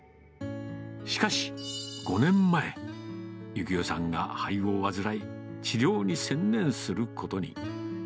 しかし、５年前、幸男さんが肺を患い、治療に専念することに。